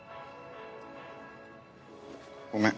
ごめん。